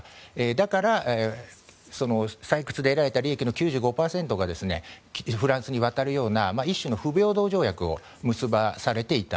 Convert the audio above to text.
だから採掘で得られた利益の９５％がフランスに渡るような一種の不平等条約を結ばされていた。